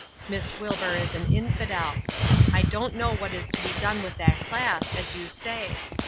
Miss Wilbur is an infidel. I don't know what is to be done with that class, as you say.